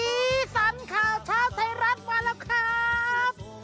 สีสันข่าวเช้าไทยรัฐมาแล้วครับ